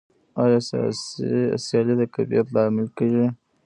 آیا سیالي د کیفیت لامل کیږي؟